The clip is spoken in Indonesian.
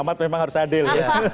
pengamat memang harus adil ya